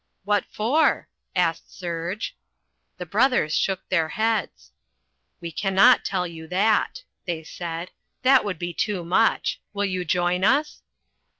"What for?" asked Serge. The brothers shook their heads. "We cannot tell you that," they said. "That would be too much. Will you join us?"